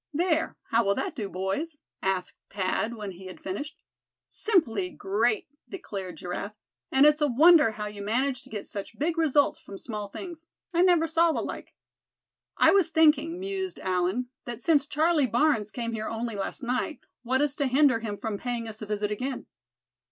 "There, how will that do, boys?" asked Thad, when he had finished. "Simply great!" declared Giraffe; "and it's a wonder how you manage to get such big results from small things. I never saw the like." "I was thinking," mused Allan, "that since Charlie Barnes came here only last night, what is to hinder him from paying us a visit again?"